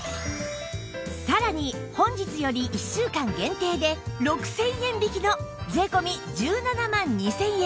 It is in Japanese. さらに本日より１週間限定で６０００円引きの税込１７万２０００円